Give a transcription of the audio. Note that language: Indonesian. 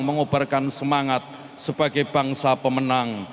mengobarkan semangat sebagai bangsa pemenang